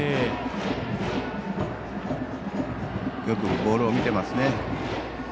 よくボールを見てますね。